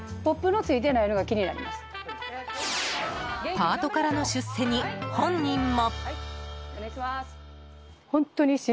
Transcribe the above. パートからの出世に本人も。